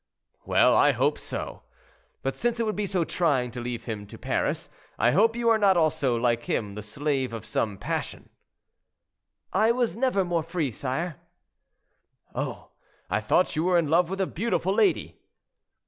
"Well, I hope so; but since it would be so trying to him to leave Paris, I hope you are not also, like him, the slave of some passion?" "I never was more free, sire." "Oh! I thought you were in love with a beautiful lady?"